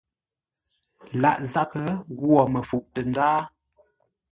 Lâʼ zághʼə ghwo məfuʼ tə nzáa.